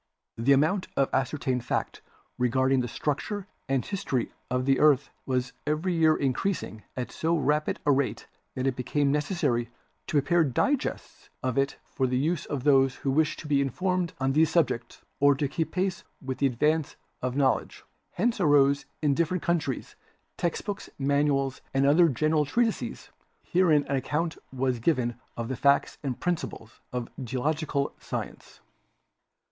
The amount of ascertained fact regarding the structure and history of the earth was every year increasing at so rapid a rate that it became necessary to prepare digests of MODERN DEVELOPMENT 73 it for the use of those who wished to be informed on these subjects or to keep pace with the advance of knowledge. Hence arose in different countries text books, manuals and other general treatises wherein an account was given of the facts and principles of geological science.